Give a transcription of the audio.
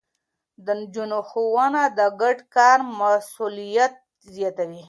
د نجونو ښوونه د ګډ کار مسووليت زياتوي.